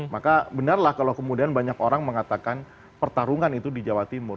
maka benarlah kalau kemudian banyak orang mengatakan pertarungan itu di jawa timur